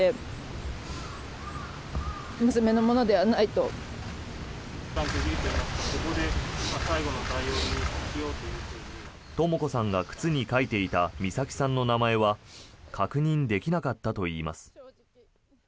とも子さんが靴に書いていた美咲さんの名前は確認できなかったといいます。